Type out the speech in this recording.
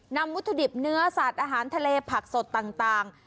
วัตถุดิบเนื้อสัตว์อาหารทะเลผักสดต่าง